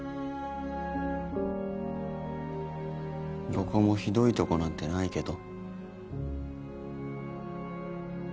どこもひどいとこなんてないけど。